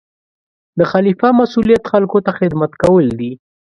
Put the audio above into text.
د خلیفه مسؤلیت خلکو ته خدمت کول دي.